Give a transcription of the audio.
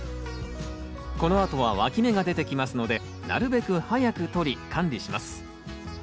このあとはわき芽が出てきますのでなるべく早くとり管理します。